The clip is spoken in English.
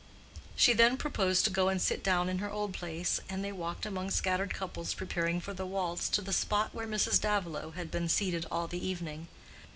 She then proposed to go and sit down in her old place, and they walked among scattered couples preparing for the waltz to the spot where Mrs. Davilow had been seated all the evening.